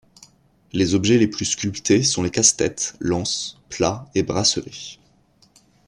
Les objets les plus sculptés sont les casse-têtes, lances, plats et bracelets.